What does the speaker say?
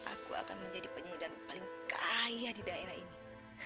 aku akan menjadi penyandang paling kaya di daerah ini